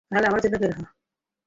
তাহলে আমার জন্য বের হ।